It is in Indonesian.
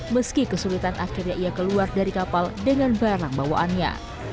meski kesulitan akhirnya ia keluar dari kapal dengan barang bawaannya